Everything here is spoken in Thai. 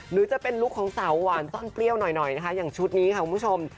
หรือจะเป็นลุคของสาวหวานซ่อนเปรี้ยวหน่อยนะคะอย่างชุดนี้ค่ะคุณผู้ชม